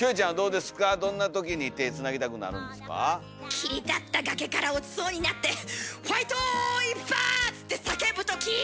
切り立った崖から落ちそうになって「ファイト！」「一発！」って叫ぶとき。